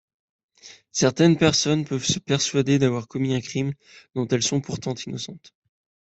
Certaines personnes peuvent se persuader d'avoir commis un crime dont elles sont pourtant innocentes.